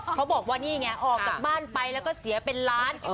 เขาบอกว่านี่ไงออกจากบ้านไปแล้วก็เสียเป็นล้าน